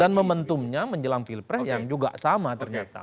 dan momentumnya menjelang pilpres yang juga sama ternyata